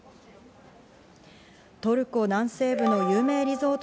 トルコ南西部の有名リゾート